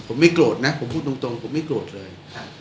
ผมไม่โกรธน่ะผมพูดตรงตรงผมไม่โกรธเลยครับ